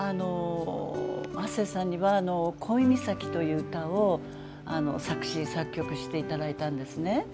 亜星さんには「恋岬」という歌を作詞・作曲していただいたんですね。